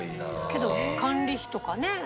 けど管理費とかね。